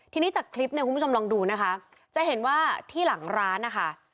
ทีนี้จากคลิปเนี่ยคุณผู้ชมลองดูนะคะจะเห็นว่าที่หลังร้านนะคะ